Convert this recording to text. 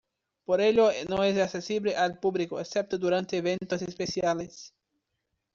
Por ello no es accesible al público, excepto durante eventos especiales.